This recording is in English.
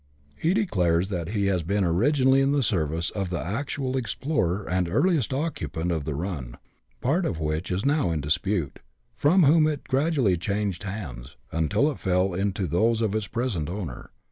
He declares that he has been originally in the service of the actual explorer and earliest occupant of the run, part of which is now in dispute, from whom it gradually changed hands, until it fell into those of its present owner.